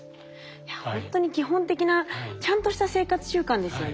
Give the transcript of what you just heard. いやほんとに基本的なちゃんとした生活習慣ですよね。